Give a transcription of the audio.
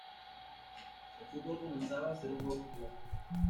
El fútbol comenzaba a ser un juego popular.